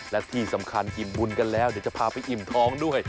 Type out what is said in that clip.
และที่สำคัญอิ่มบุญกันแล้วเดี๋ยวจะพาไปอิ่มท้องด้วย